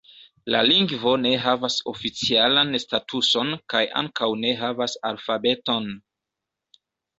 La lingvo ne havas oficialan statuson kaj ankaŭ ne havas alfabeton.